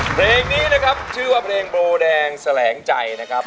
เพลงนี้นะครับชื่อว่าเพลงโบแดงแสลงใจนะครับ